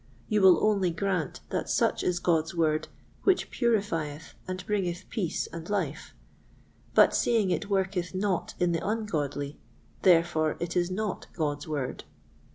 You will only grant that such is God's Word which purifieth and bringeth peace and life; but seeing it worketh not in the ungodly, therefore it is not God's Word.